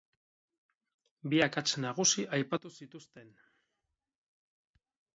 Bi akats nagusi aipatu zituzten.